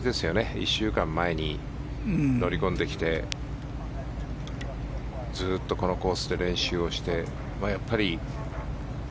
１週間前に乗り込んできてずっとこのコースで練習して。